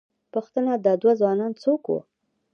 پوښتنه، دا دوه ځوانان څوک ول؟